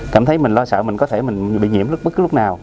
cảm thấy mình lo sợ mình có thể mình bị nhiễm lúc bất cứ lúc nào